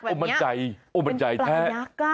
แบบนี้เป็นปลายักษ์คุณอ้อมันใจแท้